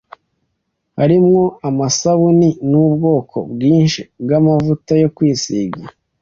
harimwo amasabuni n'ubwoko bwinshi bw'amavuta yo kwisiga